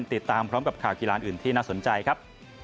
ติดตามพร้อมกับข่าวกีฬานอื่นที่น่าสนใจครับ